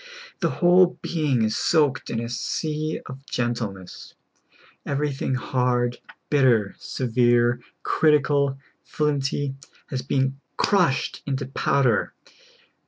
The whole being is soaked in a sea of gentleness. Everything hard, bitter, severe, critical, flint}'^, has been crushed into powder.